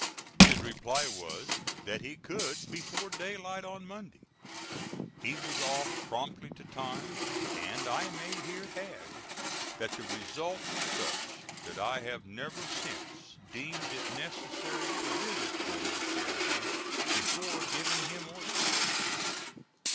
His reply was, that he could before daylight on Monday. He was off promptly to time, and I may here add, that the result was such that I have never since deemed it necessary to visit General Sheridan before giving him orders.